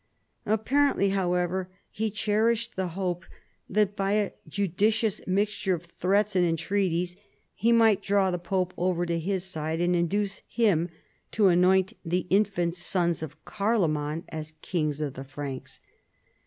Apparently, however, he cherished the hope that by a judicious mixture of threats and entreaties he might draw the pope over to his side and induce him to anoint the infant sons of Carloman as Kings of the Franks.